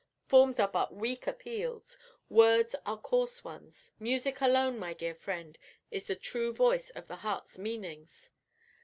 Forms are but weak appeals, words are coarse ones; music alone, my dear friend, is the true voice of the heart's meanings.